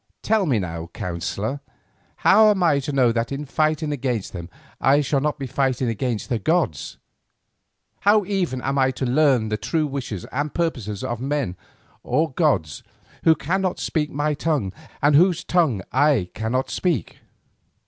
"Tell me now, counsellor, how am I to know that in fighting against them I shall not be fighting against the gods; how even am I to learn the true wishes and purposes of men or gods who cannot speak my tongue and whose tongue I cannot speak?"